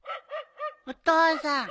お父さん。